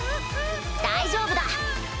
大丈夫だ。